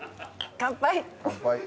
乾杯。